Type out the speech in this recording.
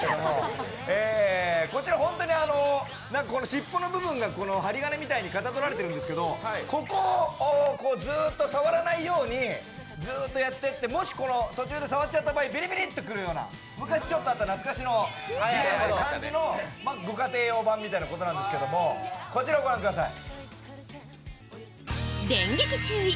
こちら、本当に尻尾の部分が針金みたいにかたどられているんですけどここをずっと触らないようにやっていって、もし、途中で触っちゃった場合、ビリビリとくるような、昔ちょっとあった懐かしの感じのご家庭用版みたいな感じなんですけど、こちらご覧ください。